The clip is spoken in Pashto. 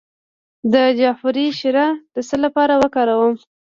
د جعفری شیره د څه لپاره وکاروم؟